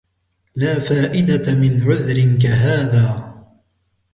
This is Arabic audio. لا فائدة من عذر كهذا.